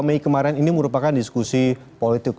dua mei kemarin ini merupakan diskusi politik